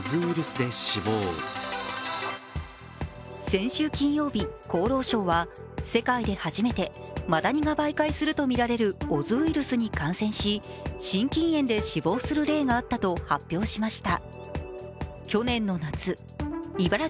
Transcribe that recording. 先週金曜日、厚労省は世界で初めてマダニが媒介するとみられるオズウイルスに感染し心筋炎で死亡する例があったと発表しました。